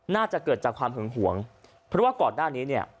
น่าจะเกิดจากความหึงหวงเพราะว่าก่อนหน้านี้เนี่ย